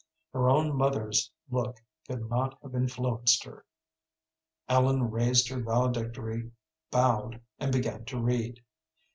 Her own mother's look could not have influenced her. Ellen raised her valedictory, bowed, and began to read.